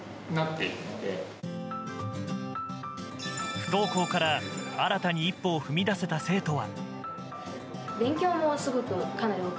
不登校から、新たに一歩を踏み出せた生徒は。